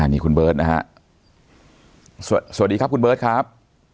นี่คุณเบิร์ตนะฮะสวัสดีครับคุณเบิร์ตครับ